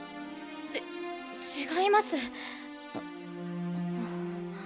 ち違います！